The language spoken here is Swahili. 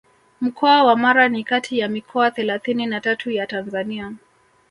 Mkoa wa Mara ni kati ya mikoa thelathini na tatu ya Tanzania